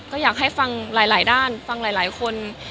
ก็อยากให้ฟังหลายด้านฟังหลายคน